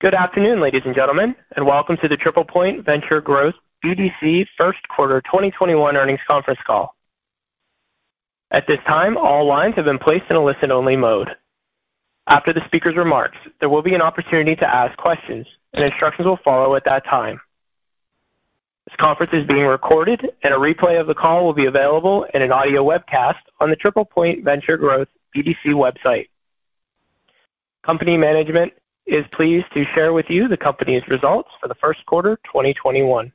Good afternoon, ladies and gentlemen, and welcome to the TriplePoint Venture Growth BDC first quarter 2021 earnings conference call. At this time all lines have been placed in a listen- only mode. After the speakers remarks, there will be an opportunity to ask questions and instructions will follow at that time. This conference is being recorded and a replay of the call be available at the TriplePoint Venture Growth BDC website. Company management is pleased to share with you the company's results for the first quarter 2021.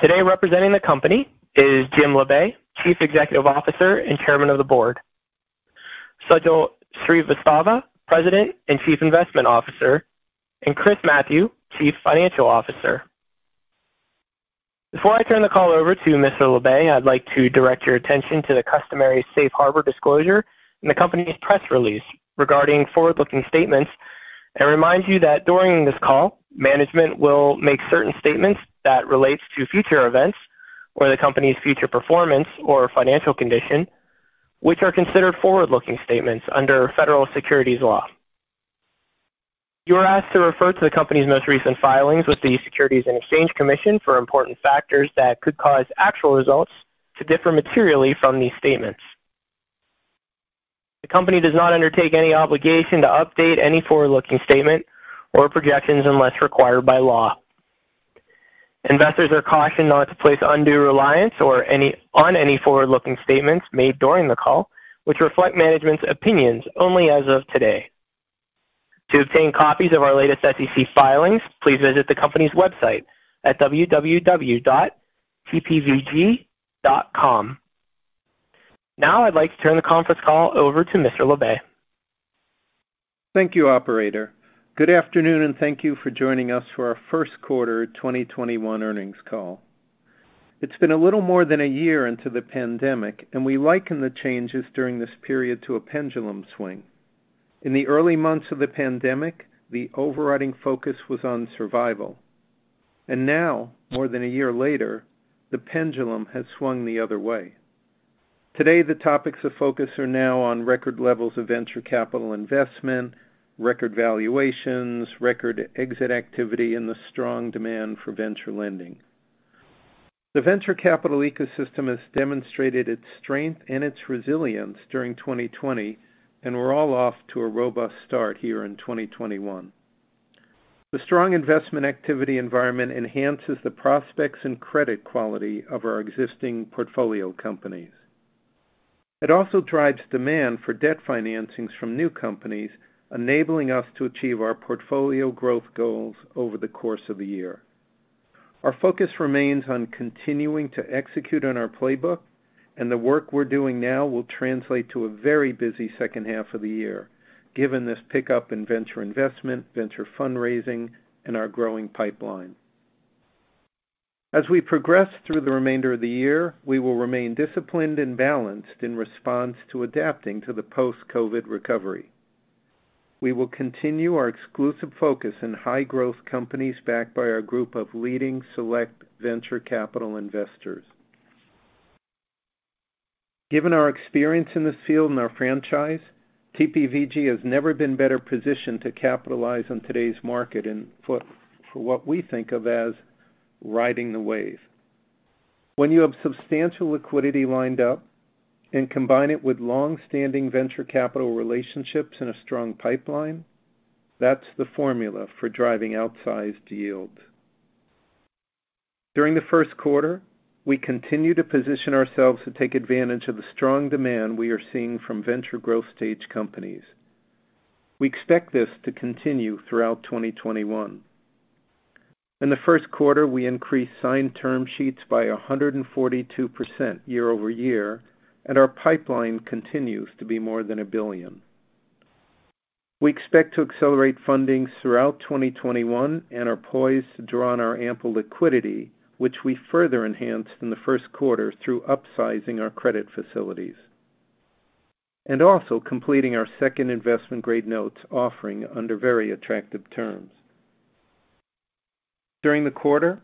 Today representing the company is Jim Labe, Chief Executive Officer and Chairman of the Board, Sajal Srivastava, President and Chief Investment Officer, and Chris Mathieu, Chief Financial Officer. Before I turn the call over to Mr. Labe, I'd like to direct your attention to the customary safe harbor disclosure in the company's press release regarding forward-looking statements and remind you that during this call, management will make certain statements that relates to future events or the company's future performance or financial condition, which are considered forward-looking statements under federal securities law. You are asked to refer to the company's most recent filings with the Securities and Exchange Commission for important factors that could cause actual results to differ materially from these statements. The company does not undertake any obligation to update any forward-looking statement or projections unless required by law. Investors are cautioned not to place undue reliance on any forward-looking statements made during the call, which reflect management's opinions only as of today. To obtain copies of our latest SEC filings, please visit the company's website at www.tpvg.com. Now I'd like to turn the conference call over to Mr. Labe. Thank you, operator. Good afternoon, and thank you for joining us for our first quarter 2021 earnings call. It's been a little more than a year into the pandemic, and we liken the changes during this period to a pendulum swing. In the early months of the pandemic, the overriding focus was on survival. Now, more than a year later, the pendulum has swung the other way. Today, the topics of focus are now on record levels of venture capital investment, record valuations, record exit activity, and the strong demand for venture lending. The venture capital ecosystem has demonstrated its strength and its resilience during 2020, and we're all off to a robust start here in 2021. The strong investment activity environment enhances the prospects and credit quality of our existing portfolio companies. It also drives demand for debt financings from new companies, enabling us to achieve our portfolio growth goals over the course of the year. Our focus remains on continuing to execute on our playbook, and the work we're doing now will translate to a very busy H2 of the year, given this pickup in venture investment, venture fundraising, and our growing pipeline. As we progress through the remainder of the year, we will remain disciplined and balanced in response to adapting to the post-COVID recovery. We will continue our exclusive focus in high-growth companies backed by our group of leading select venture capital investors. Given our experience in this field and our franchise, TPVG has never been better positioned to capitalize on today's market and for what we think of as riding the wave. When you have substantial liquidity lined up, and combine it with long-standing venture capital relationships and a strong pipeline, that's the formula for driving outsized yields. During the first quarter, we continue to position ourselves to take advantage of the strong demand we are seeing from venture growth stage companies. We expect this to continue throughout 2021. In the first quarter, we increased signed term sheets by 142% year-over-year, and our pipeline continues to be more than $1 billion. We expect to accelerate fundings throughout 2021 and are poised to draw on our ample liquidity, which we further enhanced in the first quarter through upsizing our credit facilities, and also completing our second investment-grade notes offering under very attractive terms. During the quarter,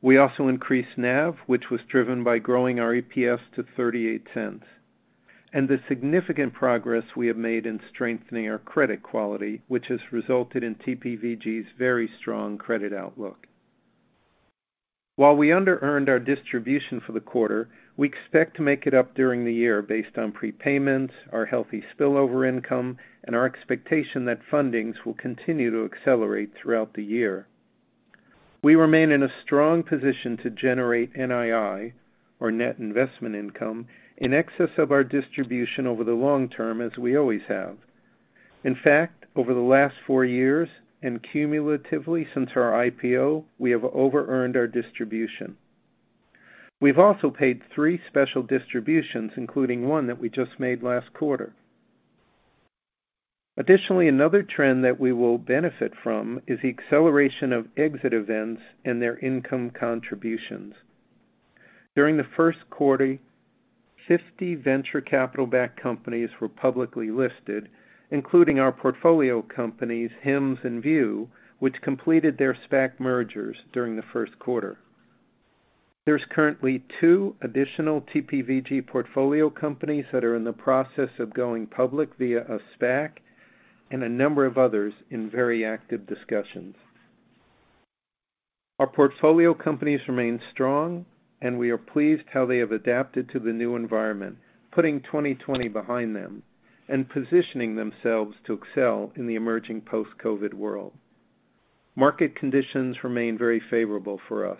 we also increased NAV, which was driven by growing our EPS to $0.38, and the significant progress we have made in strengthening our credit quality, which has resulted in TPVG's very strong credit outlook. While we under-earned our distribution for the quarter, we expect to make it up during the year based on prepayments, our healthy spillover income, and our expectation that fundings will continue to accelerate throughout the year. We remain in a strong position to generate NII, or net investment income, in excess of our distribution over the long term as we always have. In fact, over the last four years and cumulatively since our IPO, we have over-earned our distribution. We've also paid three special distributions, including one that we just made last quarter. Additionally, another trend that we will benefit from is the acceleration of exit events and their income contributions. During the first quarter, 50 venture capital-backed companies were publicly listed, including our portfolio companies, Hims & Hers and View, which completed their SPAC mergers during the first quarter. There's currently two additional TPVG portfolio companies that are in the process of going public via a SPAC and a number of others in very active discussions. Our portfolio companies remain strong, and we are pleased how they have adapted to the new environment, putting 2020 behind them and positioning themselves to excel in the emerging post-COVID world. Market conditions remain very favorable for us.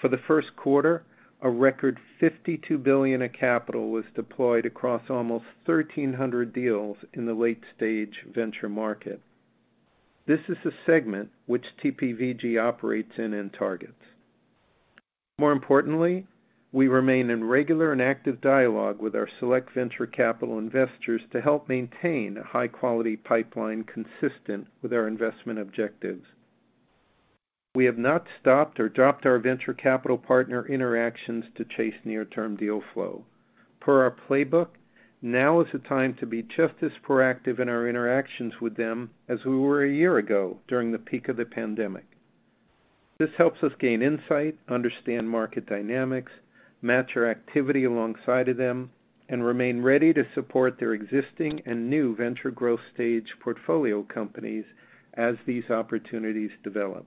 For the first quarter, a record $52 billion of capital was deployed across almost 1,300 deals in the late-stage venture market. This is a segment which TPVG operates in and targets. More importantly, we remain in regular and active dialogue with our select venture capital investors to help maintain a high-quality pipeline consistent with our investment objectives. We have not stopped or dropped our venture capital partner interactions to chase near-term deal flow. Per our playbook, now is the time to be just as proactive in our interactions with them as we were a year ago during the peak of the pandemic. This helps us gain insight, understand market dynamics, match our activity alongside of them, and remain ready to support their existing and new venture growth stage portfolio companies as these opportunities develop.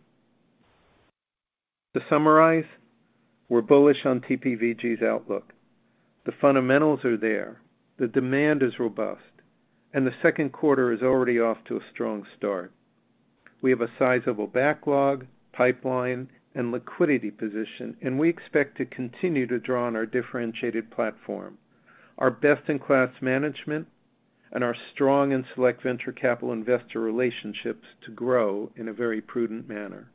To summarize, we're bullish on TPVG's outlook. The fundamentals are there, the demand is robust, and the second quarter is already off to a strong start. We have a sizable backlog, pipeline, and liquidity position. We expect to continue to draw on our differentiated platform, our best-in-class management, and our strong and select venture capital investor relationships to grow in a very prudent manner.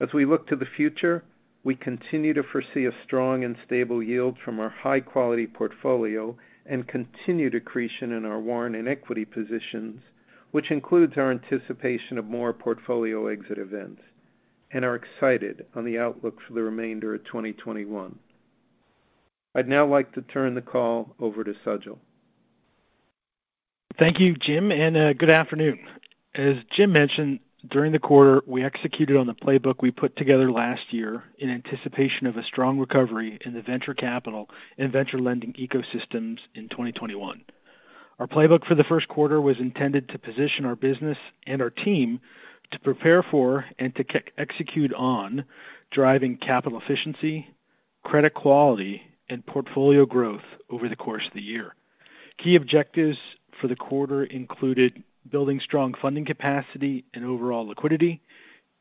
As we look to the future, we continue to foresee a strong and stable yield from our high-quality portfolio and continued accretion in our warrant and equity positions, which includes our anticipation of more portfolio exit events, and are excited on the outlook for the remainder of 2021. I'd now like to turn the call over to Sajal. Thank you, Jim, and good afternoon. As Jim mentioned, during the quarter, we executed on the playbook we put together last year in anticipation of a strong recovery in the venture capital and venture lending ecosystems in 2021. Our playbook for the first quarter was intended to position our business and our team to prepare for and to execute on driving capital efficiency, credit quality, and portfolio growth over the course of the year. Key objectives for the quarter included building strong funding capacity and overall liquidity,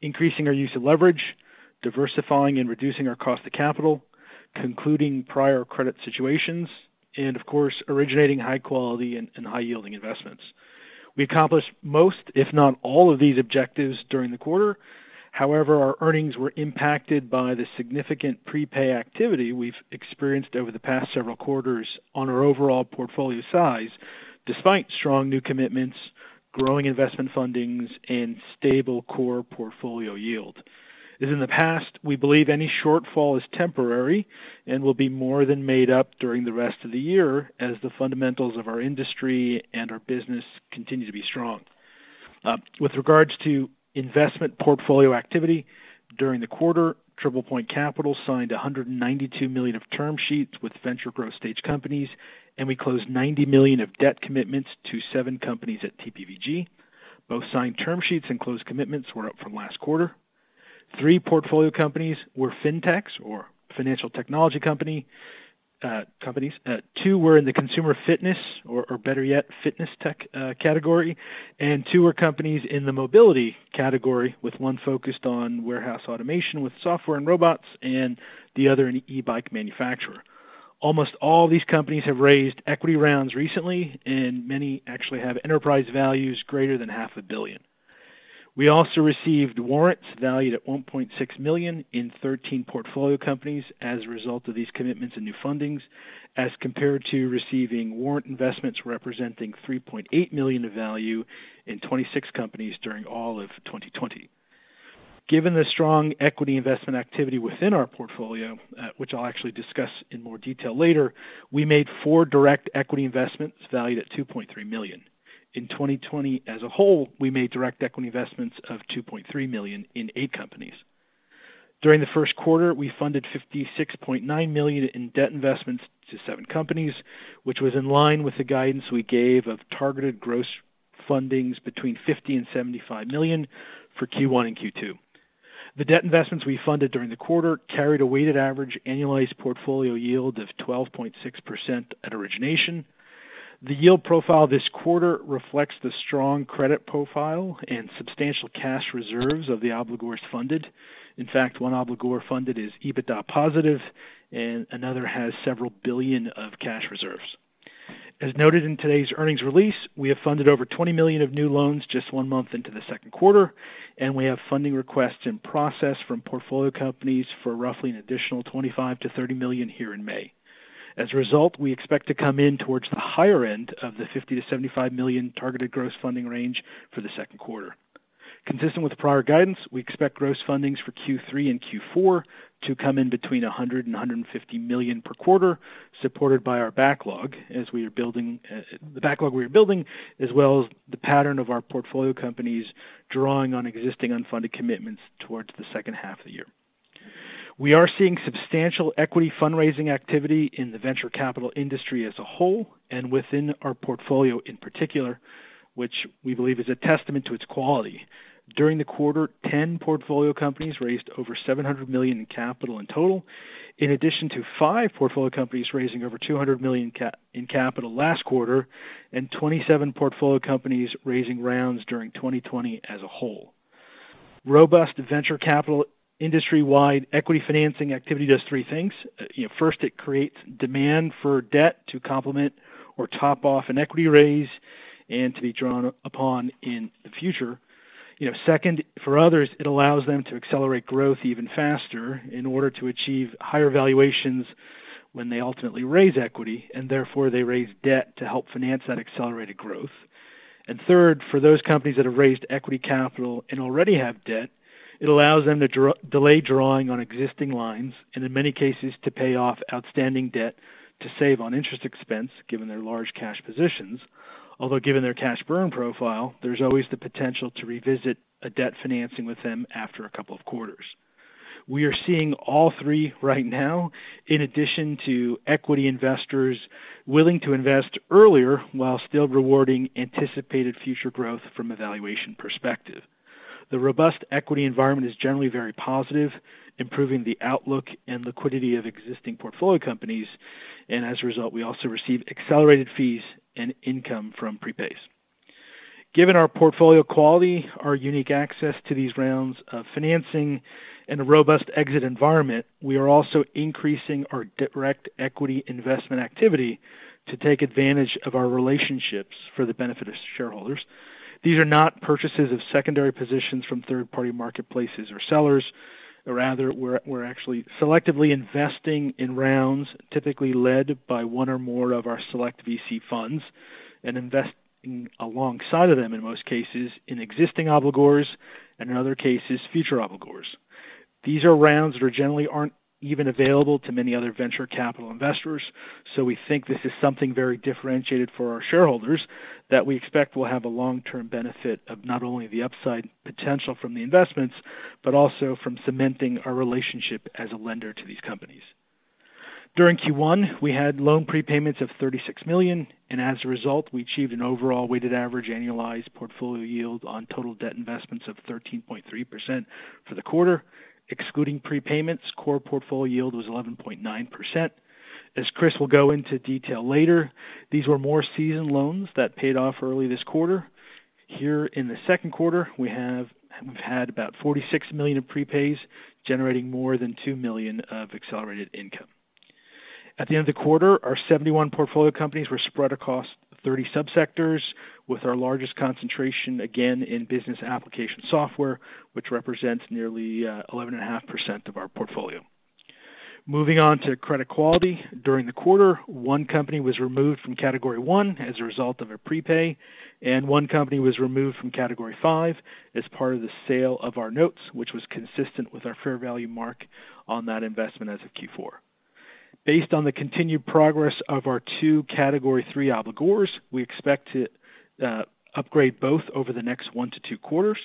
increasing our use of leverage, diversifying and reducing our cost of capital, concluding prior credit situations, and of course, originating high quality and high yielding investments. We accomplished most, if not all of these objectives during the quarter. However, our earnings were impacted by the significant prepay activity we've experienced over the past several quarters on our overall portfolio size, despite strong new commitments, growing investment fundings, and stable core portfolio yield. As in the past, we believe any shortfall is temporary and will be more than made up during the rest of the year as the fundamentals of our industry and our business continue to be strong. With regards to investment portfolio activity, during the quarter, TriplePoint Capital signed $192 million of term sheets with venture growth stage companies, and we closed $90 million of debt commitments to seven companies at TPVG. Both signed term sheets and closed commitments were up from last quarter. Three portfolio companies were Fintechs or financial technology companies. Two were in the consumer fitness or better yet, fitness tech category, and two were companies in the mobility category with one focused on warehouse automation with software and robots, and the other an e-bike manufacturer. Almost all these companies have raised equity rounds recently, and many actually have enterprise values greater than $0.5 billion. We also received warrants valued at $1.6 million in 13 portfolio companies as a result of these commitments and new fundings, as compared to receiving warrant investments representing $3.8 million of value in 26 companies during all of 2020. Given the strong equity investment activity within our portfolio, which I'll actually discuss in more detail later, we made four direct equity investments valued at $2.3 million. In 2020 as a whole, we made direct equity investments of $2.3 million in eight companies. During the first quarter, we funded $56.9 million in debt investments to seven companies, which was in line with the guidance we gave of targeted gross fundings between $50 million and $75 million for Q1 and Q2. The debt investments we funded during the quarter carried a weighted average annualized portfolio yield of 12.6% at origination. The yield profile this quarter reflects the strong credit profile and substantial cash reserves of the obligors funded. In fact, one obligor funded is EBITDA positive, and another has several billion of cash reserves. As noted in today's earnings release, we have funded over $20 million of new loans just one month into the second quarter, and we have funding requests in process from portfolio companies for roughly an additional $25 million-$30 million here in May. As a result, we expect to come in towards the higher end of the $50 million-$75 million targeted gross funding range for the second quarter. Consistent with prior guidance, we expect gross fundings for Q3 and Q4 to come in between $100 million-$150 million per quarter, supported by the backlog we are building, as well as the pattern of our portfolio companies drawing on existing unfunded commitments towards the H2 of the year. We are seeing substantial equity fundraising activity in the venture capital industry as a whole and within our portfolio in particular, which we believe is a testament to its quality. During the quarter, 10 portfolio companies raised over $700 million in capital in total. In addition to five portfolio companies raising over $200 million in capital last quarter, and 27 portfolio companies raising rounds during 2020 as a whole. Robust venture capital industry-wide equity financing activity does three things. First, it creates demand for debt to complement or top off an equity raise and to be drawn upon in the future. Second, for others, it allows them to accelerate growth even faster in order to achieve higher valuations when they ultimately raise equity, and therefore they raise debt to help finance that accelerated growth. Third, for those companies that have raised equity capital and already have debt, it allows them to delay drawing on existing lines, and in many cases to pay off outstanding debt to save on interest expense given their large cash positions. Although, given their cash burn profile, there's always the potential to revisit a debt financing with them after a couple of quarters. We are seeing all three right now, in addition to equity investors willing to invest earlier while still rewarding anticipated future growth from a valuation perspective. The robust equity environment is generally very positive, improving the outlook and liquidity of existing portfolio companies, and as a result, we also receive accelerated fees and income from prepays. Given our portfolio quality, our unique access to these rounds of financing, and a robust exit environment, we are also increasing our direct equity investment activity to take advantage of our relationships for the benefit of shareholders. These are not purchases of secondary positions from third-party marketplaces or sellers. Rather, we're actually selectively investing in rounds, typically led by one or more of our select VC funds, and investing alongside of them, in most cases, in existing obligors and in other cases, future obligors. These are rounds that generally aren't even available to many other venture capital investors, so we think this is something very differentiated for our shareholders that we expect will have a long-term benefit of not only the upside potential from the investments, but also from cementing our relationship as a lender to these companies. During Q1, we had loan prepayments of $36 million, and as a result, we achieved an overall weighted average annualized portfolio yield on total debt investments of 13.3% for the quarter. Excluding prepayments, core portfolio yield was 11.9%. As Chris will go into detail later, these were more seasoned loans that paid off early this quarter. Here in the second quarter, we've had about $46 million of prepays, generating more than $2 million of accelerated income. At the end of the quarter, our 71 portfolio companies were spread across 30 sub-sectors with our largest concentration, again in business application software, which represents nearly 11.5% of our portfolio. Moving on to credit quality. During the quarter, one company was removed from category one as a result of a prepay, and one company was removed from category five as part of the sale of our notes, which was consistent with our fair value mark on that investment as of Q4. Based on the continued progress of our two category three obligors, we expect to upgrade both over the next one to two quarters.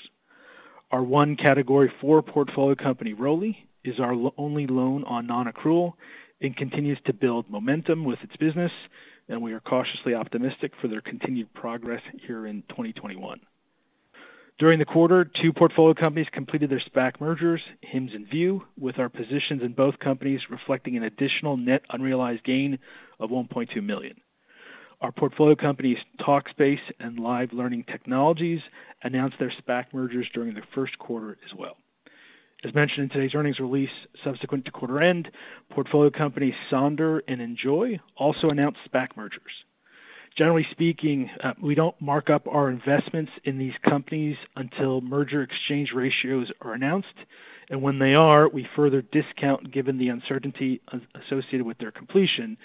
Our one category four portfolio company, Roli, is our only loan on non-accrual and continues to build momentum with its business, and we are cautiously optimistic for their continued progress here in 2021. During the quarter, two portfolio companies completed their SPAC mergers, Hims and View, with our positions in both companies reflecting an additional net unrealized gain of $1.2 million. Our portfolio companies, Talkspace and Live Learning Technologies, announced their SPAC mergers during the first quarter as well. As mentioned in today's earnings release, subsequent to quarter end, portfolio companies Sonder and Enjoy also announced SPAC mergers. Generally speaking, we don't mark up our investments in these companies until merger exchange ratios are announced, and when they are, we further discount given the uncertainty associated with their completion.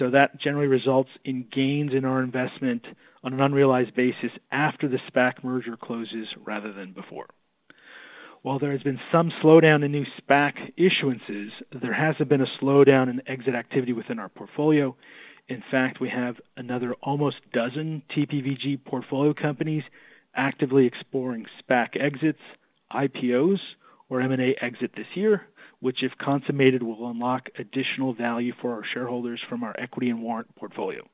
That generally results in gains in our investment on an unrealized basis after the SPAC merger closes rather than before. While there has been some slowdown in new SPAC issuances, there hasn't been a slowdown in exit activity within our portfolio. In fact, we have another almost dozen TPVG portfolio companies actively exploring SPAC exits, IPOs, or M&A exit this year, which, if consummated, will unlock additional value for our shareholders from our equity and warrant portfolio.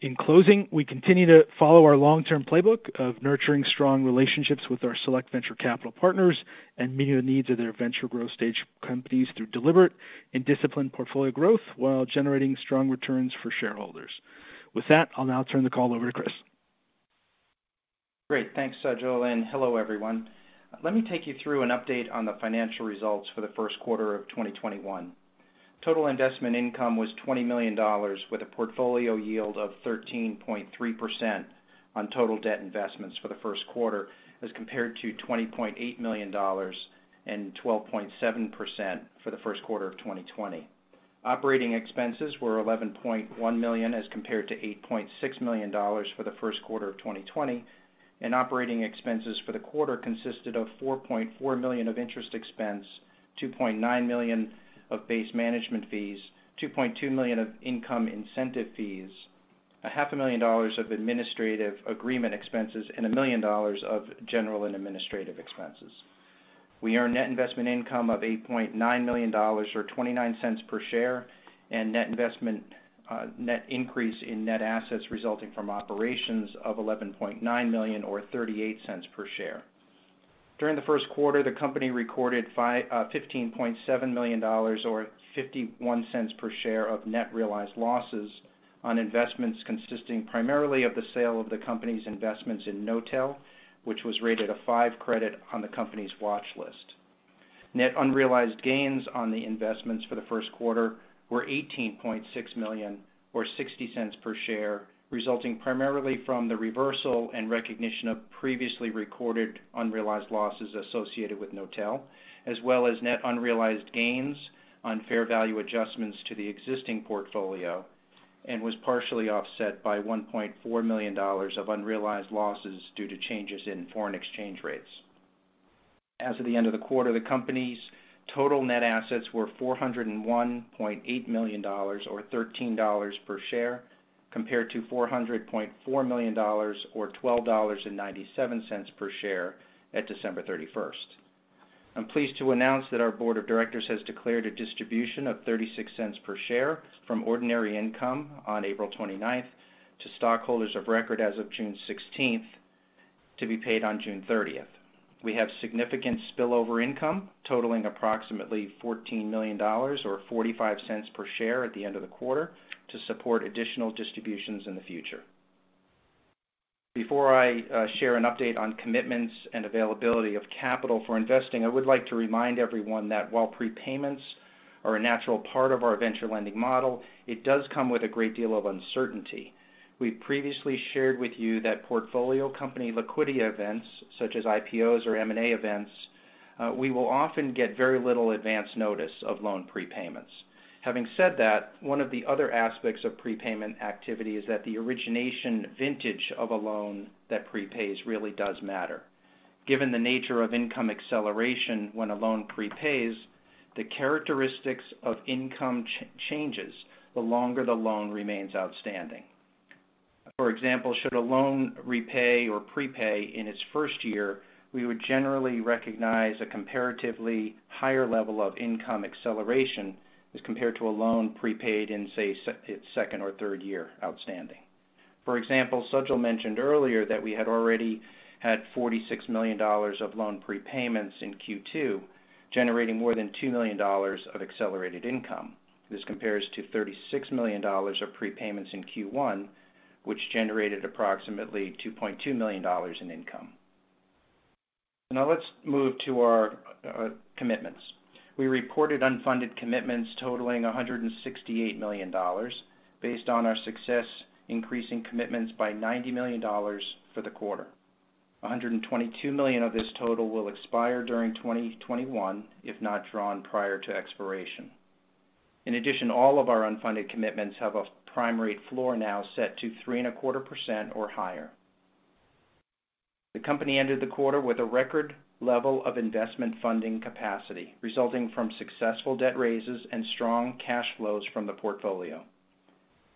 In closing, we continue to follow our long-term playbook of nurturing strong relationships with our select venture capital partners and meeting the needs of their venture growth stage companies through deliberate and disciplined portfolio growth while generating strong returns for shareholders. With that, I'll now turn the call over to Chris. Great. Thanks, Sajal. Hello, everyone. Let me take you through an update on the financial results for the first quarter of 2021. Total investment income was $20 million, with a portfolio yield of 13.3% on total debt investments for the first quarter, as compared to $20.8 million and 12.7% for the first quarter of 2020. Operating expenses were $11.1 million as compared to $8.6 million for the first quarter of 2020. Operating expenses for the quarter consisted of $4.4 million of interest expense, $2.9 million of base management fees, $2.2 million of income incentive fees, $0.5 million dollars of administrative agreement expenses and $1 million of general and administrative expenses. We earn net investment income of $8.9 million, or $0.29 per share, and net increase in net assets resulting from operations of $11.9 million or $0.38 per share. During the first quarter, the company recorded $15.7 million or $0.51 per share of net realized losses on investments consisting primarily of the sale of the company's investments in Knotel, which was rated a five credit on the company's watchlist. Net unrealized gains on the investments for the first quarter were $18.6 million, or $0.60 per share, resulting primarily from the reversal and recognition of previously recorded unrealized losses associated with Knotel, as well as net unrealized gains on fair value adjustments to the existing portfolio, and was partially offset by $1.4 million of unrealized losses due to changes in foreign exchange rates. As of the end of the quarter, the company's total net assets were $401.8 million, or $13 per share, compared to $400.4 million, or $12.97 per share at December 31st. I'm pleased to announce that our board of directors has declared a distribution of $0.36 per share from ordinary income on April 29th to stockholders of record as of June 16th, to be paid on June 30th. We have significant spillover income totaling approximately $14 million, or $0.45 per share at the end of the quarter to support additional distributions in the future. Before I share an update on commitments and availability of capital for investing, I would like to remind everyone that while prepayments are a natural part of our venture lending model, it does come with a great deal of uncertainty. We've previously shared with you that portfolio company liquidity events such as IPOs or M&A events, we will often get very little advance notice of loan prepayments. Having said that, one of the other aspects of prepayment activity is that the origination vintage of a loan that prepays really does matter. Given the nature of income acceleration when a loan prepays, the characteristics of income changes the longer the loan remains outstanding. For example, should a loan repay or prepay in its first year, we would generally recognize a comparatively higher level of income acceleration as compared to a loan prepaid in, say, its second or third year outstanding. For example, Sajal mentioned earlier that we had already had $46 million of loan prepayments in Q2, generating more than $2 million of accelerated income. This compares to $36 million of prepayments in Q1, which generated approximately $2.2 million in income. Now let's move to our commitments. We reported unfunded commitments totaling $168 million, based on our success increasing commitments by $90 million for the quarter. $122 million of this total will expire during 2021, if not drawn prior to expiration. In addition, all of our unfunded commitments have a prime rate floor now set to 3.25% or higher. The company ended the quarter with a record level of investment funding capacity, resulting from successful debt raises and strong cash flows from the portfolio.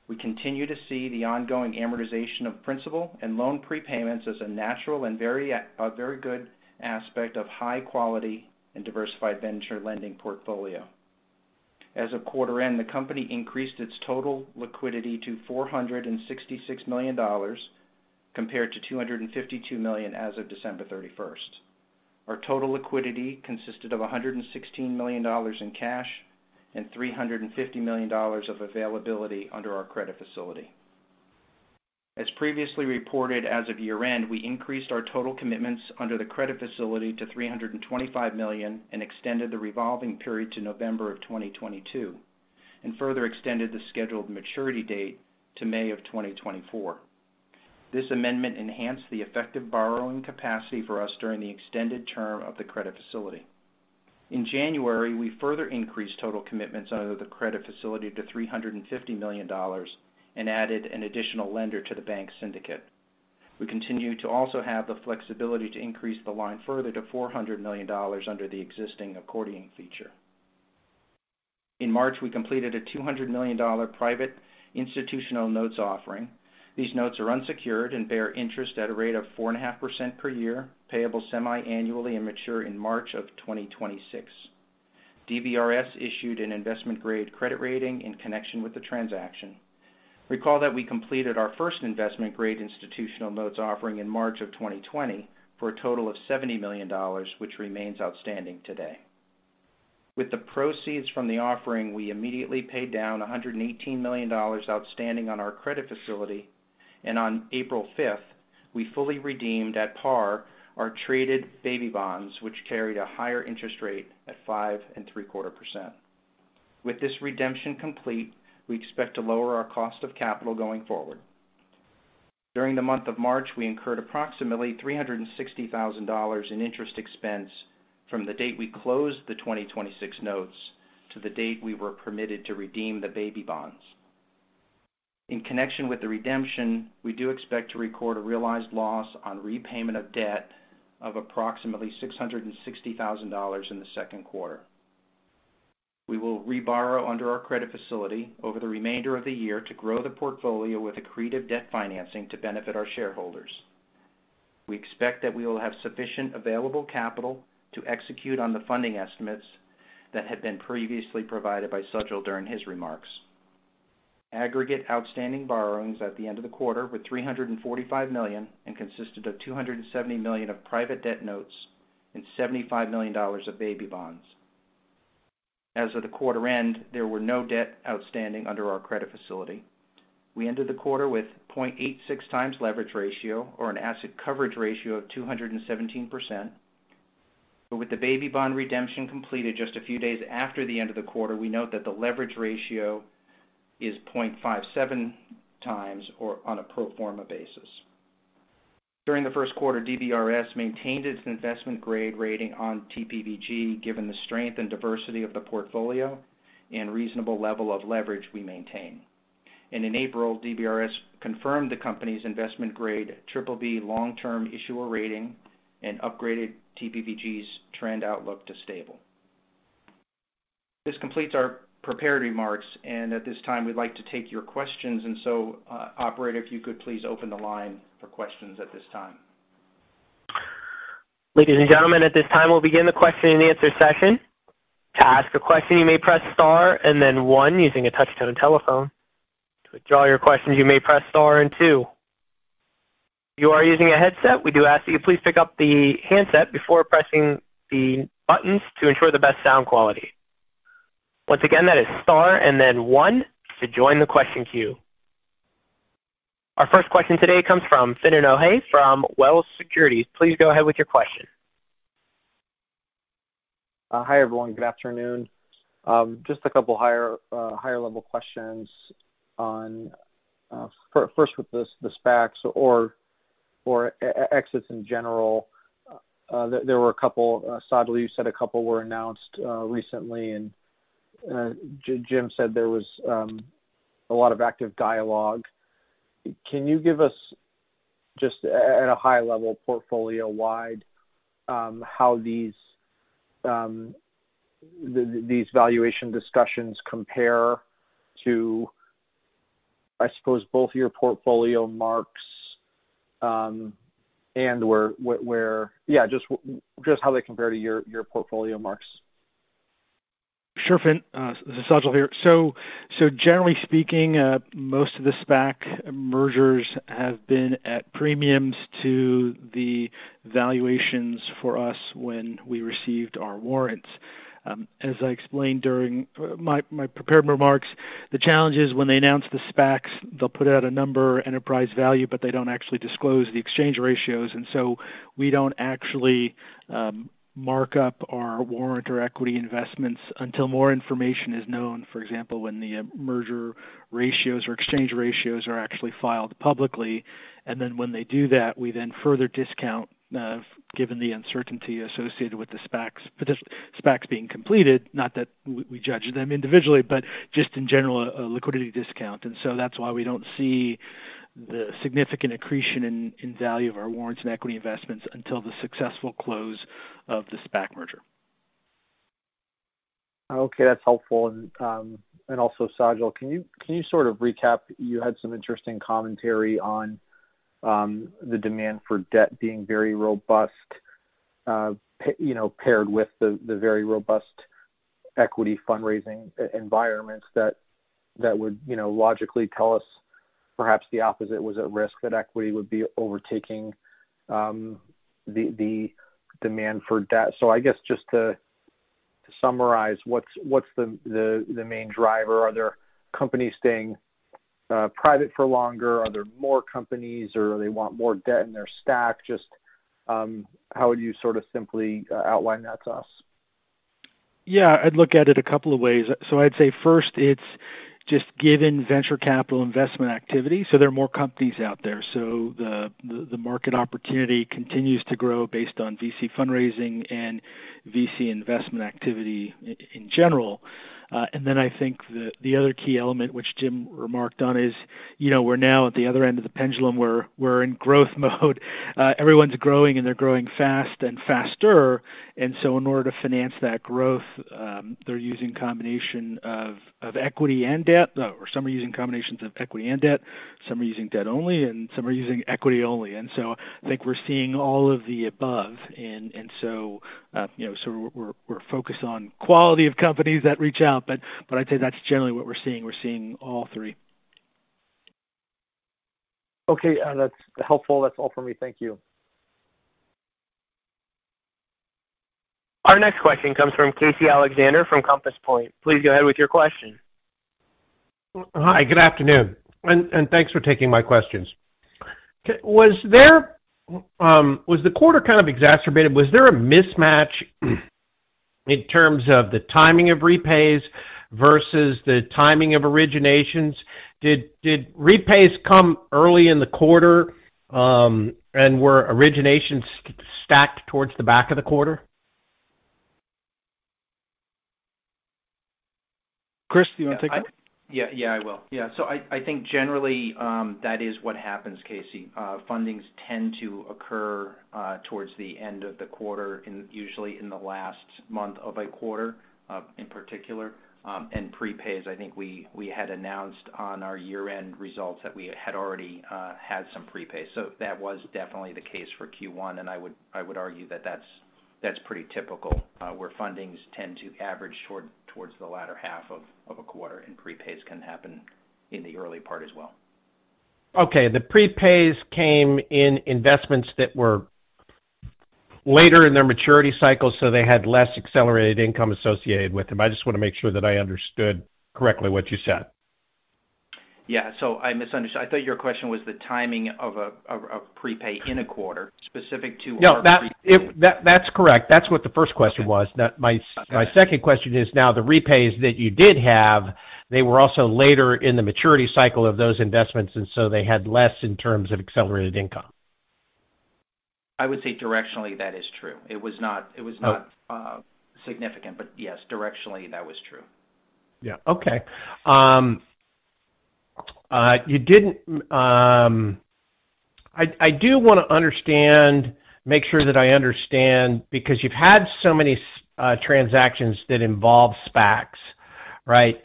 We continue to see the ongoing amortization of principal and loan prepayments as a natural and a very good aspect of high quality and diversified venture lending portfolio. As of quarter end, the company increased its total liquidity to $466 million, compared to $252 million as of December 31st. Our total liquidity consisted of $116 million in cash and $350 million of availability under our credit facility. As previously reported, as of year-end, we increased our total commitments under the credit facility to $325 million and extended the revolving period to November 2022, and further extended the scheduled maturity date to May 2024. This amendment enhanced the effective borrowing capacity for us during the extended term of the credit facility. In January, we further increased total commitments under the credit facility to $350 million and added an additional lender to the bank syndicate. We continue to also have the flexibility to increase the line further to $400 million under the existing accordion feature. In March, we completed a $200 million private institutional notes offering. These notes are unsecured and bear interest at a rate of 4.5% per year, payable semiannually and mature in March 2026. DBRS issued an investment-grade credit rating in connection with the transaction. Recall that we completed our first investment-grade institutional notes offering in March of 2020 for a total of $70 million, which remains outstanding today. With the proceeds from the offering, we immediately paid down $118 million outstanding on our credit facility, and on April 5th, we fully redeemed at par our traded baby bonds, which carried a higher interest rate at 5.75%. With this redemption complete, we expect to lower our cost of capital going forward. During the month of March, we incurred approximately $360,000 in interest expense from the date we closed the 2026 notes to the date we were permitted to redeem the baby bonds. In connection with the redemption, we do expect to record a realized loss on repayment of debt of approximately $660,000 in the second quarter. We will reborrow under our credit facility over the remainder of the year to grow the portfolio with accretive debt financing to benefit our shareholders. We expect that we will have sufficient available capital to execute on the funding estimates that had been previously provided by Sajal during his remarks. Aggregate outstanding borrowings at the end of the quarter were $345 million and consisted of $270 million of private debt notes and $75 million of baby bonds. As of the quarter end, there were no debt outstanding under our credit facility. We ended the quarter with 0.86x leverage ratio, or an asset coverage ratio of 217%. With the baby bond redemption completed just a few days after the end of the quarter, we note that the leverage ratio is 0.57x or on a pro forma basis. During the first quarter, DBRS maintained its investment grade rating on TPVG, given the strength and diversity of the portfolio and reasonable level of leverage we maintain. In April, DBRS confirmed the company's investment grade BBB long-term issuer rating and upgraded TPVG's trend outlook to stable. This completes our prepared remarks, and at this time, we'd like to take your questions. Operator, if you could please open the line for questions at this time. Ladies and gentlemen, at this time, we'll begin the question and answer session. To ask a question, you may press star and then one using a touch-tone telephone. To withdraw your questions, you may press star and two. If you are using a headset, we do ask that you please pick up the handset before pressing the buttons to ensure the best sound quality. Once again, that is star and then one to join the question queue. Our first question today comes from Finian O'Shea from Wells Fargo Securities. Please go ahead with your question. Hi, everyone. Good afternoon. Just a couple higher-level questions. First with the SPACs or exits in general. There were a couple. Sajal, you said a couple were announced recently, and Jim said there was a lot of active dialogue. Can you give us just at a high level, portfolio-wide, how these valuation discussions compare to, I suppose, both your portfolio marks and just how they compare to your portfolio marks? Sure, Finian. This is Sajal here. Generally speaking, most of the SPAC mergers have been at premiums to the valuations for us when we received our warrants. As I explained during my prepared remarks, the challenge is when they announce the SPACs, they'll put out a number enterprise value, they don't actually disclose the exchange ratios. We don't actually mark up our warrant or equity investments until more information is known. For example, when the merger ratios or exchange ratios are actually filed publicly. When they do that, we then further discount, given the uncertainty associated with the SPACs being completed. Not that we judge them individually, just in general, a liquidity discount. That's why we don't see the significant accretion in value of our warrants and equity investments until the successful close of the SPAC merger. Okay. That's helpful. Sajal, can you sort of recap, you had some interesting commentary on the demand for debt being very robust paired with the very robust equity fundraising environments that would logically tell us perhaps the opposite was at risk, that equity would be overtaking the demand for debt. I guess just to summarize, what's the main driver? Are there companies staying private for longer? Are there more companies, or they want more debt in their stack? Just how would you sort of simply outline that to us? Yeah, I'd look at it a couple of ways. I'd say first it's just given venture capital investment activity. There are more companies out there. The market opportunity continues to grow based on VC fundraising and VC investment activity in general. I think the other key element which Jim remarked on is we're now at the other end of the pendulum. We're in growth mode. Everyone's growing, and they're growing fast and faster. In order to finance that growth, they're using combination of equity and debt. Some are using combinations of equity and debt, some are using debt only, and some are using equity only. I think we're seeing all of the above. We're focused on quality of companies that reach out. I'd say that's generally what we're seeing. We're seeing all three. Okay. That's helpful. That's all for me. Thank you. Our next question comes from Casey Alexander from Compass Point. Please go ahead with your question. Hi, good afternoon. Thanks for taking my questions. Was the quarter kind of exacerbated? Was there a mismatch in terms of the timing of repays versus the timing of originations? Did repays come early in the quarter? Were originations stacked towards the back of the quarter? Chris, do you want to take that? Yeah, I will. I think generally that is what happens, Casey. Fundings tend to occur towards the end of the quarter, usually in the last month of a quarter in particular. Prepays, I think we had announced on our year-end results that we had already had some prepay. That was definitely the case for Q1, I would argue that's pretty typical, where fundings tend to average towards the latter half of a quarter, and prepays can happen in the early part as well. The prepays came in investments that were later in their maturity cycle, so they had less accelerated income associated with them. I just want to make sure that I understood correctly what you said. Yeah. I misunderstood. I thought your question was the timing of a prepay in a quarter specific to. No. That's correct. That's what the first question was. Okay. My second question is now the repays that you did have, they were also later in the maturity cycle of those investments, and so they had less in terms of accelerated income? I would say directionally, that is true. It was not significant. Yes, directionally, that was true. Okay. I do want to make sure that I understand because you've had so many transactions that involve SPACs, right?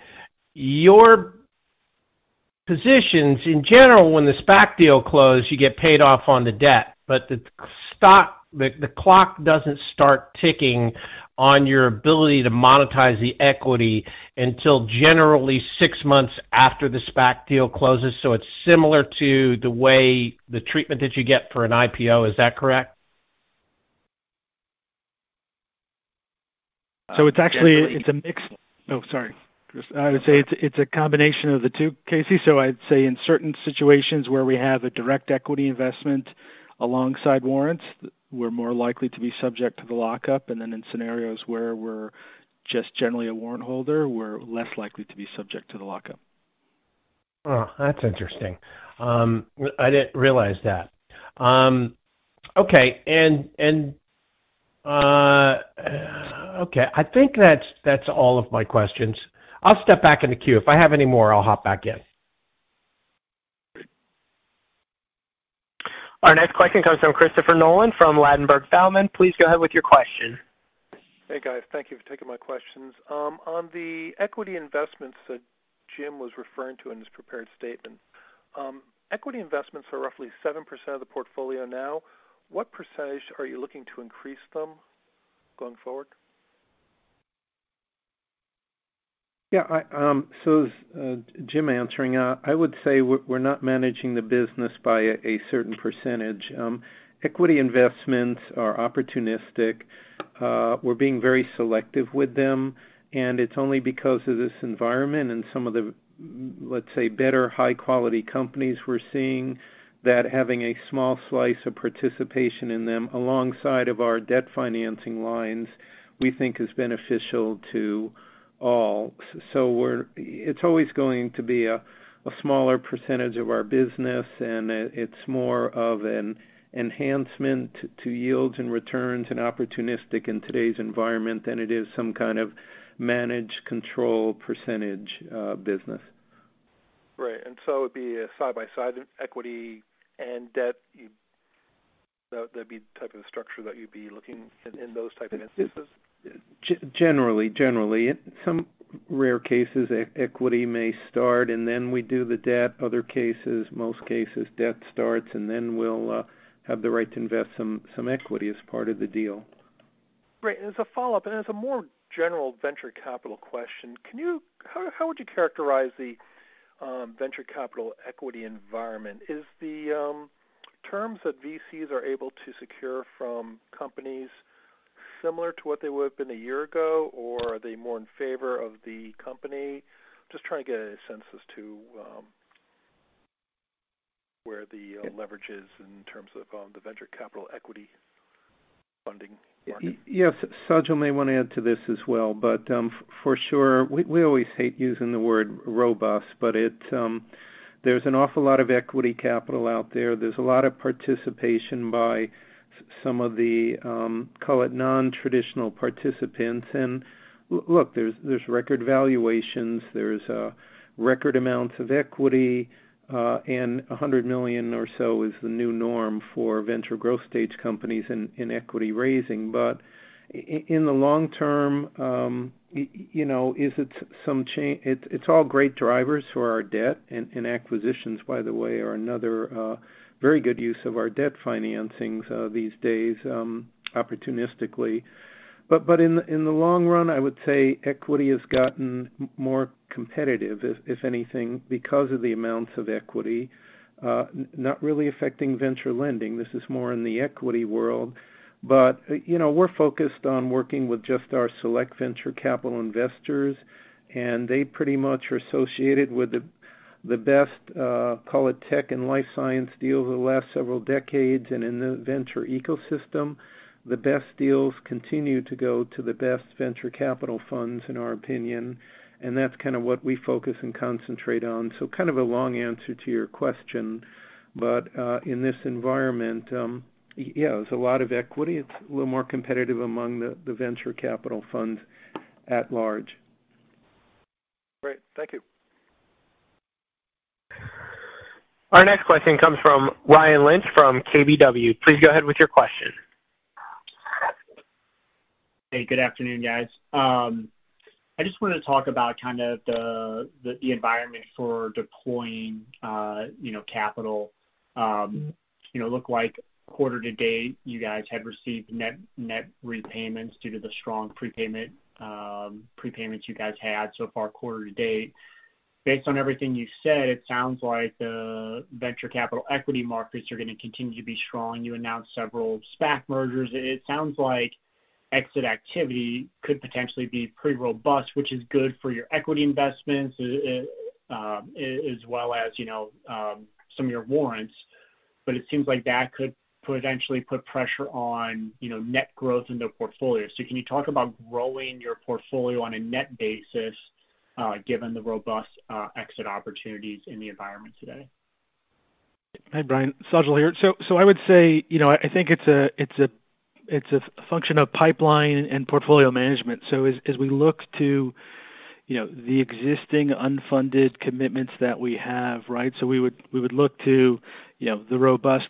Your positions in general, when the SPAC deal closed, you get paid off on the debt. But the clock doesn't start ticking on your ability to monetize the equity until generally six months after the SPAC deal closes. So it's similar to the way the treatment that you get for an IPO. Is that correct? Oh, sorry, Chris. I would say it's a combination of the two, Casey. I'd say in certain situations where we have a direct equity investment alongside warrants, we're more likely to be subject to the lockup. In scenarios where we're just generally a warrant holder, we're less likely to be subject to the lockup. Oh, that's interesting. I didn't realize that. Okay. I think that's all of my questions. I'll step back in the queue. If I have any more, I'll hop back in. Our next question comes from Christopher Nolan from Ladenburg Thalmann. Please go ahead with your question. Hey, guys. Thank you for taking my questions. On the equity investments that Jim Labe was referring to in his prepared statement, equity investments are roughly 7% of the portfolio now. What percentage are you looking to increase them going forward? Yeah. This is Jim answering. I would say we're not managing the business by a certain percentage. Equity investments are opportunistic. We're being very selective with them, and it's only because of this environment and some of the, let's say, better high-quality companies we're seeing that having a small slice of participation in them alongside of our debt financing lines, we think is beneficial to all. It's always going to be a smaller percentage of our business, and it's more of an enhancement to yields and returns and opportunistic in today's environment than it is some kind of managed control percentage business. Right. It'd be a side-by-side equity and debt. That'd be the type of structure that you'd be looking in those type of instances. Generally. Some rare cases, equity may start and then we do the debt. Other cases, most cases, debt starts and then we'll have the right to invest some equity as part of the deal. Great. As a follow-up, and as a more general venture capital question, how would you characterize the venture capital equity environment? Is the terms that VCs are able to secure from companies similar to what they would have been a year ago, or are they more in favor of the company? Just trying to get a sense as to where the leverage is in terms of the venture capital equity funding market? Yes. Sajal may want to add to this as well. For sure, we always hate using the word robust but there's an awful lot of equity capital out there. There's a lot of participation by some of the, call it non-traditional participants. Look, there's record valuations, there's record amounts of equity, $100 million or so is the new norm for venture growth stage companies in equity raising. In the long term, it's all great drivers for our debt. Acquisitions, by the way, are another very good use of our debt financings these days opportunistically. In the long run, I would say equity has gotten more competitive, if anything, because of the amounts of equity. Not really affecting venture lending. This is more in the equity world. We're focused on working with just our select venture capital investors, and they pretty much are associated with the best, call it tech and life science deals over the last several decades. In the venture ecosystem, the best deals continue to go to the best venture capital funds, in our opinion, and that's kind of what we focus and concentrate on. Kind of a long answer to your question. In this environment, yeah, there's a lot of equity. It's a little more competitive among the venture capital funds at large. Great. Thank you. Our next question comes from Ryan Lynch from KBW. Please go ahead with your question. Hey, good afternoon, guys. I just want to talk about the environment for deploying capital. It looked like quarter-to-date, you guys had received net repayments due to the strong prepayments you guys had so far quarter-to-date. Based on everything you've said, it sounds like the venture capital equity markets are going to continue to be strong. You announced several SPAC mergers. It sounds like exit activity could potentially be pretty robust, which is good for your equity investments, as well as some of your warrants. It seems like that could potentially put pressure on net growth in the portfolio. Can you talk about growing your portfolio on a net basis, given the robust exit opportunities in the environment today? Hi, Ryan. Sajal here. I would say, I think it's a function of pipeline and portfolio management. As we look to the existing unfunded commitments that we have, we would look to the robust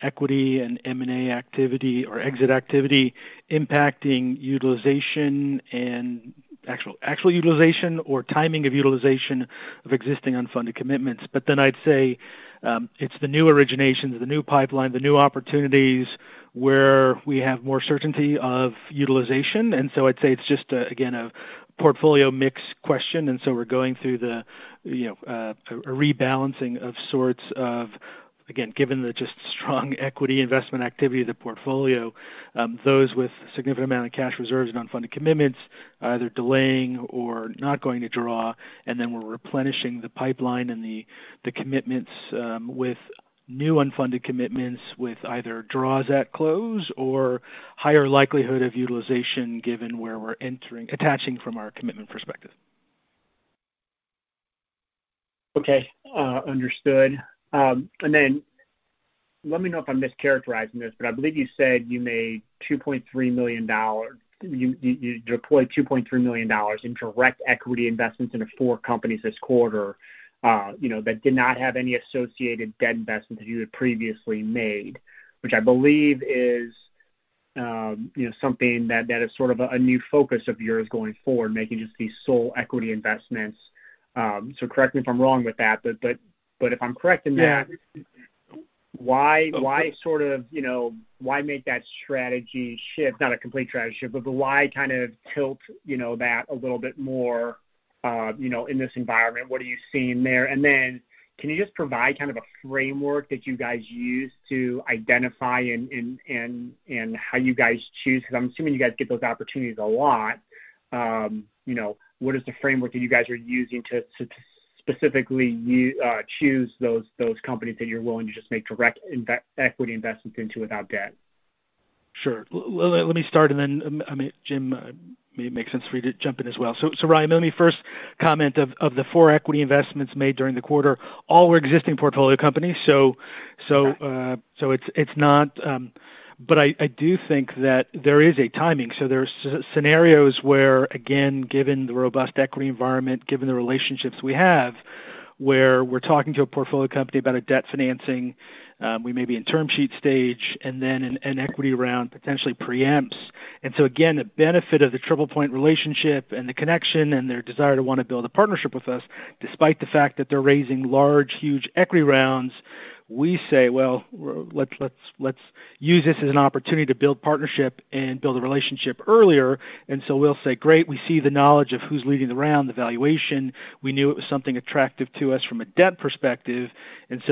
equity and M&A activity or exit activity impacting utilization and actual utilization or timing of utilization of existing unfunded commitments. I'd say it's the new originations, the new pipeline, the new opportunities where we have more certainty of utilization. I'd say it's just, again, a portfolio mix question. We're going through a rebalancing of sorts of, again, given the just strong equity investment activity of the portfolio. Those with significant amount of cash reserves and unfunded commitments, either delaying or not going to draw, and then we're replenishing the pipeline and the commitments with new unfunded commitments with either draws at close or higher likelihood of utilization, given where we're entering, attaching from our commitment perspective. Okay. Understood. Let me know if I'm mischaracterizing this, but I believe you said you deployed $2.3 million in direct equity investments into four companies this quarter that did not have any associated debt investments you had previously made. I believe is something that is sort of a new focus of yours going forward, making just these sole equity investments. Correct me if I'm wrong with that. If I'm correct in that. Yeah Why make that strategy shift, not a complete strategy shift, but why kind of tilt that a little bit more in this environment? What are you seeing there? Can you just provide kind of a framework that you guys use to identify and how you guys choose? Because I'm assuming you guys get those opportunities a lot. What is the framework that you guys are using to specifically choose those companies that you're willing to just make direct equity investments into without debt? Sure. Let me start, and then, Jim, may make sense for you to jump in as well. Ryan, let me first comment of the four equity investments made during the quarter, all were existing portfolio companies. Got it. I do think that there is a timing. There's scenarios where, again, given the robust equity environment, given the relationships we have, where we're talking to a portfolio company about a debt financing. We may be in term sheet stage, an equity round potentially preempts. Again, the benefit of the TriplePoint relationship and the connection and their desire to want to build a partnership with us, despite the fact that they're raising large, huge equity rounds, we say, "Well, let's use this as an opportunity to build partnership and build a relationship earlier." We'll say, "Great." We see the knowledge of who's leading the round, the valuation. We knew it was something attractive to us from a debt perspective.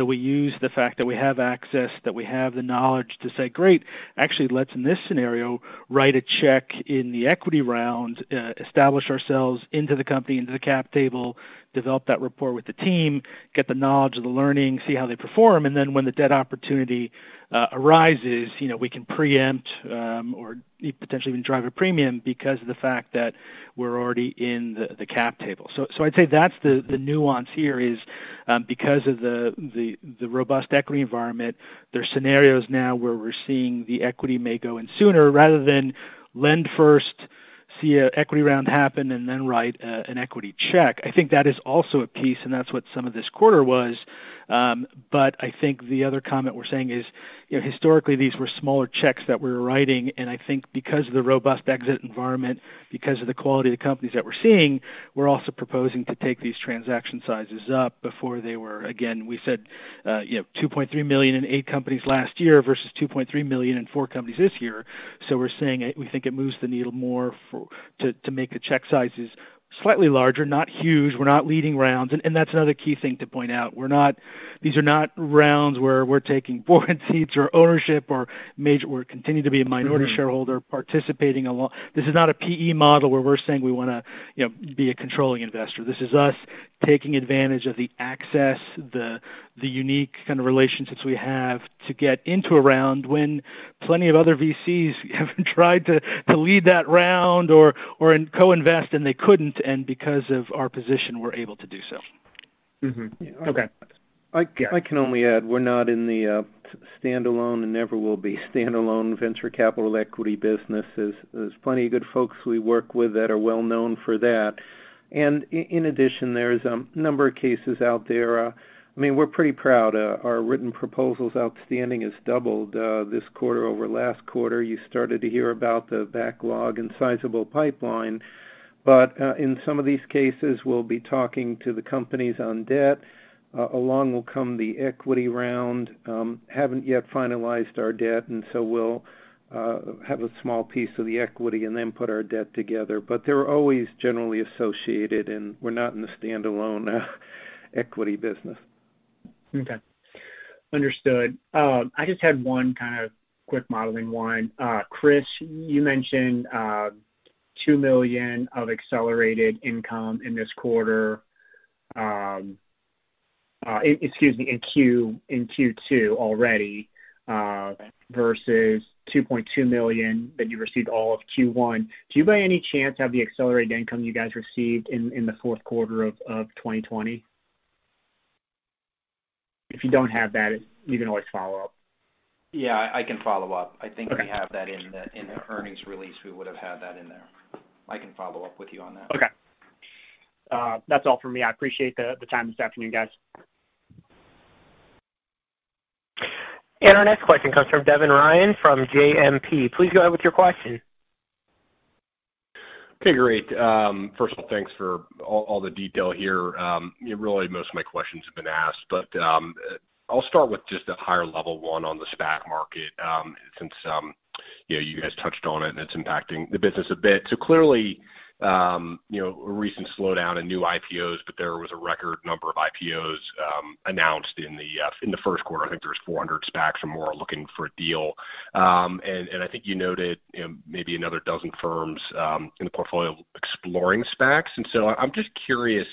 We use the fact that we have access, that we have the knowledge to say, "Great." Actually, let's in this scenario, write a check in the equity round, establish ourselves into the company, into the cap table, develop that rapport with the team, get the knowledge and the learning, see how they perform. When the debt opportunity arises, we can preempt or potentially even drive a premium because of the fact that we're already in the cap table. I'd say that's the nuance here is because of the robust equity environment, there's scenarios now where we're seeing the equity may go in sooner rather than lend first, see an equity round happen, and then write an equity check. I think that is also a piece, and that's what some of this quarter was. I think the other comment we're saying is historically, these were smaller checks that we were writing, and I think because of the robust exit environment, because of the quality of the companies that we're seeing, we're also proposing to take these transaction sizes up before they were. Again, we said $2.3 million in eight companies last year versus $2.3 million in four companies this year. We're saying we think it moves the needle more to make the check sizes slightly larger, not huge. We're not leading rounds. That's another key thing to point out. These are not rounds where we're taking board seats or ownership or we're continuing to be a minority shareholder participating along. This is not a PE model where we're saying we want to be a controlling investor. This is us taking advantage of the access, the unique kind of relationships we have to get into a round when plenty of other VCs have tried to lead that round or co-invest and they couldn't, and because of our position, we're able to do so. Mm-hmm. Okay. I can only add, we're not in the. Standalone and never will be standalone venture capital equity businesses. There's plenty of good folks we work with that are well-known for that. In addition, there's a number of cases out there. We're pretty proud. Our written proposals outstanding has doubled this quarter over last quarter. You started to hear about the backlog and sizable pipeline. In some of these cases, we'll be talking to the companies on debt. Along will come the equity round. Haven't yet finalized our debt, and so we'll have a small piece of the equity and then put our debt together. They're always generally associated, and we're not in the standalone equity business. Okay. Understood. I just had one kind of quick modeling one. Chris, you mentioned $2 million of accelerated income in this quarter. Excuse me, in Q2 already, versus $2.2 million that you received all of Q1. Do you by any chance have the accelerated income you guys received in the fourth quarter of 2020? If you don't have that, you can always follow up. Yeah, I can follow up. Okay. I think we have that in the earnings release. We would have had that in there. I can follow up with you on that. Okay. That's all for me. I appreciate the time this afternoon, guys. Our next question comes from Devin Ryan from JMP. Please go ahead with your question. Okay, great. First of all, thanks for all the detail here. Really most of my questions have been asked, but I'll start with just a higher level one on the SPAC market since you guys touched on it, and it's impacting the business a bit. Clearly, a recent slowdown in new IPOs, but there was a record number of IPOs announced in the first quarter. I think there was 400 SPACs or more looking for a deal. I think you noted maybe another dozen firms in the portfolio exploring SPACs. I'm just curious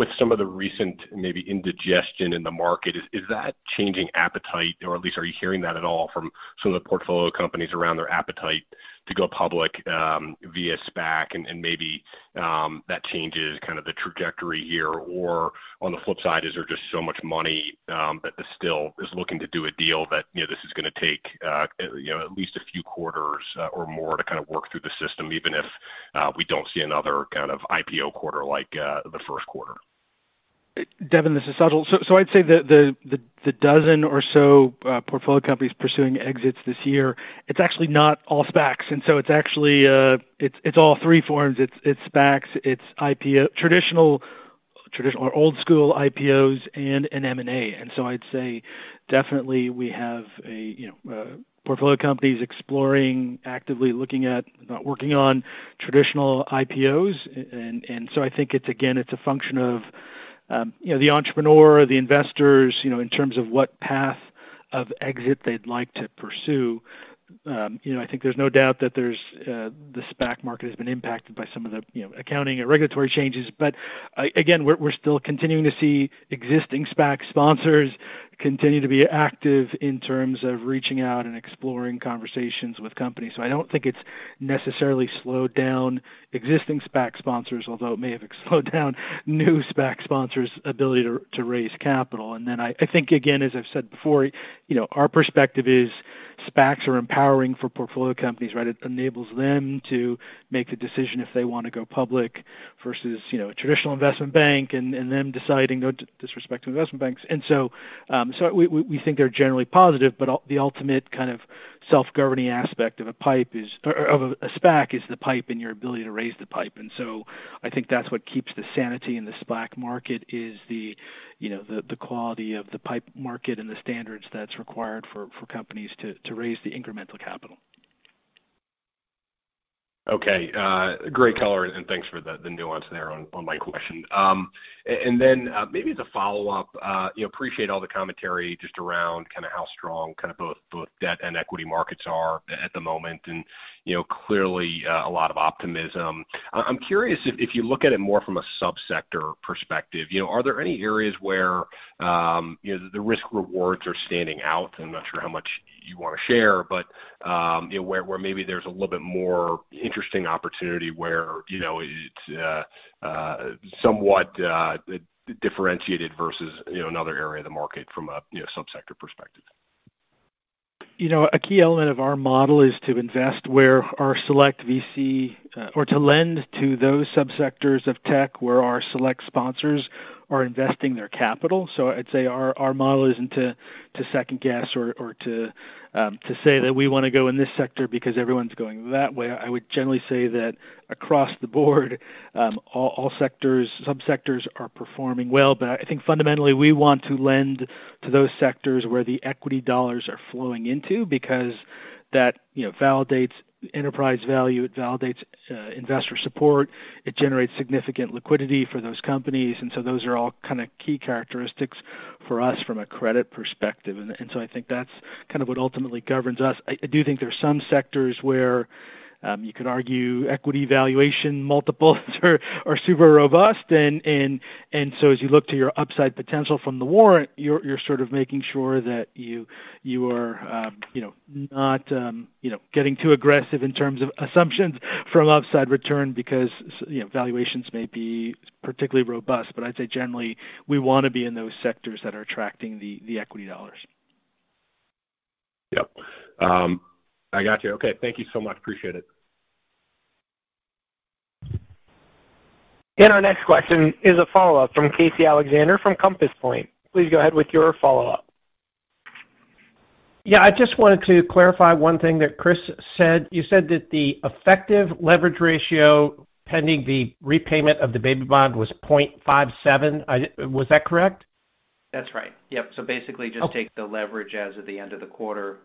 with some of the recent maybe indigestion in the market, is that changing appetite or at least are you hearing that at all from some of the portfolio companies around their appetite to go public via SPAC and maybe that changes kind of the trajectory here? On the flip side, is there just so much money that still is looking to do a deal that this is going to take at least a few quarters or more to kind of work through the system, even if we don't see another kind of IPO quarter like the first quarter? Devin, this is Sajal Srivastava. I'd say the dozen or so portfolio companies pursuing exits this year, it's actually not all SPACs. It's actually all three forms. It's SPACs, it's traditional or old school IPOs, and M&A. I'd say definitely we have portfolio companies exploring, actively looking at working on traditional IPOs. I think it's, again, it's a function of the entrepreneur, the investors, in terms of what path of exit they'd like to pursue. I think there's no doubt that the SPAC market has been impacted by some of the accounting and regulatory changes. Again, we're still continuing to see existing SPAC sponsors continue to be active in terms of reaching out and exploring conversations with companies. I don't think it's necessarily slowed down existing SPAC sponsors, although it may have slowed down new SPAC sponsors' ability to raise capital. Then I think, again, as I've said before, our perspective is SPACs are empowering for portfolio companies. It enables them to make the decision if they want to go public versus a traditional investment bank and them deciding, no disrespect to investment banks. We think they're generally positive, but the ultimate kind of self-governing aspect of a SPAC is the PIPE and your ability to raise the PIPE. I think that's what keeps the sanity in the SPAC market is the quality of the PIPE market and the standards that's required for companies to raise the incremental capital. Okay. Great color and thanks for the nuance there on my question. Maybe as a follow-up, appreciate all the commentary just around kind of how strong both debt and equity markets are at the moment and clearly a lot of optimism. I'm curious if you look at it more from a sub-sector perspective, are there any areas where the risk rewards are standing out? I'm not sure how much you want to share, but where maybe there's a little bit more interesting opportunity where it's somewhat differentiated versus another area of the market from a sub-sector perspective. A key element of our model is to invest where our select VC or to lend to those sub-sectors of tech where our select sponsors are investing their capital. I'd say our model isn't to second guess or to say that we want to go in this sector because everyone's going that way. I would generally say that across the board, all sectors, sub-sectors are performing well. I think fundamentally we want to lend to those sectors where the equity dollars are flowing into because that validates enterprise value, it validates investor support, it generates significant liquidity for those companies. Those are all kind of key characteristics for us from a credit perspective. I think that's kind of what ultimately governs us. I do think there are some sectors where you could argue equity valuation multiples are super robust. As you look to your upside potential from the warrant, you're sort of making sure that you are not getting too aggressive in terms of assumptions from upside return because valuations may be particularly robust. I'd say generally, we want to be in those sectors that are attracting the equity dollars. Yep. I got you. Okay. Thank you so much. Appreciate it. Our next question is a follow-up from Casey Alexander from Compass Point. Please go ahead with your follow-up. Yeah. I just wanted to clarify one thing that Chris said. You said that the effective leverage ratio pending the repayment of the baby bond was 0.57. Was that correct? That's right. Yep. Basically just take the leverage as of the end of the quarter,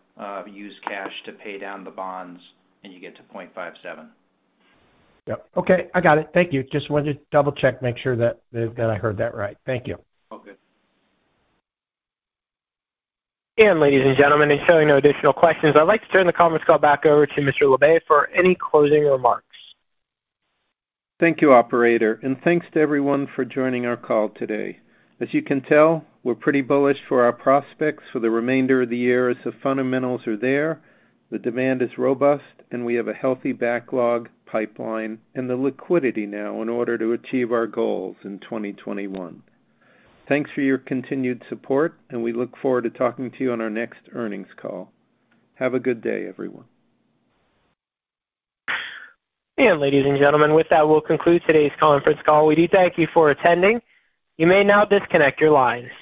use cash to pay down the bonds, and you get to 0.57. Yep. Okay, I got it. Thank you. Just wanted to double-check, make sure that I heard that right. Thank you. All good. Ladies and gentlemen, showing no additional questions, I'd like to turn the conference call back over to Mr. Labe for any closing remarks. Thank you, operator, and thanks to everyone for joining our call today. As you can tell, we're pretty bullish for our prospects for the remainder of the year as the fundamentals are there, the demand is robust, and we have a healthy backlog pipeline and the liquidity now in order to achieve our goals in 2021. Thanks for your continued support, and we look forward to talking to you on our next earnings call. Have a good day, everyone. Ladies and gentlemen, with that, we'll conclude today's conference call. We do thank you for attending. You may now disconnect your lines.